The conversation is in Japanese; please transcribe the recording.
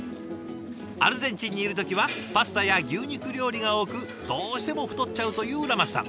アルゼンチンにいる時はパスタや牛肉料理が多くどうしても太っちゃうというラマスさん。